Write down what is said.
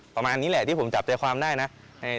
ประมาณนี้แหละที่ผมจับใจความได้นะ